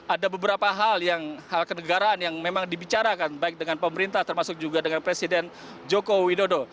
ada beberapa hal kenegaraan yang memang dibicarakan baik dengan pemerintah termasuk juga dengan presiden joko widodo